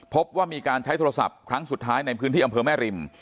พบว่ามีการใช้โทรศัพท์ครั้งสุดท้ายในพื้นที่อำเภอแม่ริม